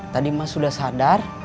tadi mas udah sadar